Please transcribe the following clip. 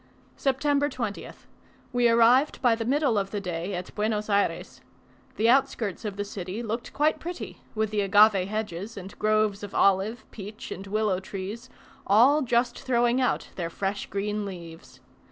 September 20th. We arrived by the middle of the day at Buenos Ayres. The outskirts of the city looked quite pretty, with the agave hedges, and groves of olive, peach and willow trees, all just throwing out their fresh green leaves.